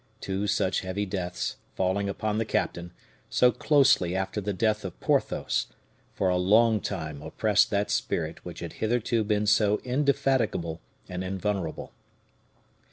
Two such heavy deaths falling upon the captain, so closely after the death of Porthos, for a long time oppressed that spirit which had hitherto been so indefatigable and invulnerable.